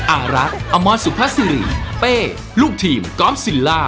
อารักษ์อมรสุภาษิริเป้ลูกทีมกอล์ฟซิลล่า